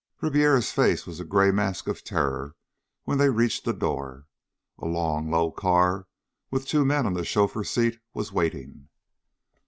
Ribiera's face was a gray mask of terror when they reached the door. A long, low car with two men on the chauffeur's seat was waiting.